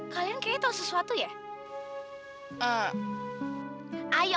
kalian kayaknya tau sesuatu ya